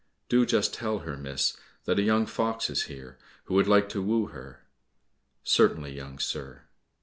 "Do just tell her, miss, that a young fox is here, who would like to woo her." "Certainly, young sir."